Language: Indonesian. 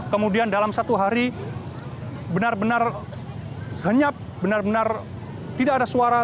kemudian dalam satu hari benar benar henyap benar benar tidak ada suara